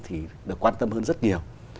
thì được quan tâm hơn rất nhiều